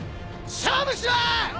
勝負しろ！